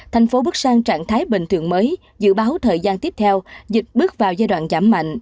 thành phố bước sang trạng thái bình thường mới dự báo thời gian tiếp theo dịch bước vào giai đoạn giảm mạnh